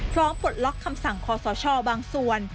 พร้อมปลดล็อคคำสั่งคอสอชอบางส่วน